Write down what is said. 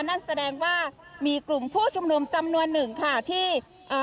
นั่นแสดงว่ามีกลุ่มผู้ชุมนุมจำนวนหนึ่งค่ะที่เอ่อ